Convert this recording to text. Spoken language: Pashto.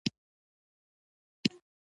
د اوسني مخاطب له واقعیتونو سره اړخ نه لګوي.